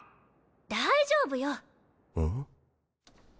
大丈夫よ。